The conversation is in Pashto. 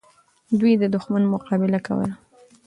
دوی د دښمن مقابله کوله.